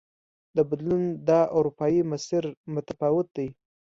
د بدلون دا اروپايي مسیر متفاوت دی.